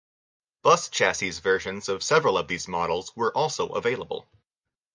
Bus chassis versions of several of these models were also available.